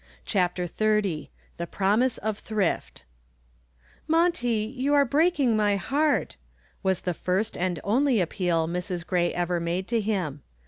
CHAPTER XXX THE PROMISE OF THRIFT "Monty, you are breaking my heart," was the first and only appeal Mrs. Gray ever made to him.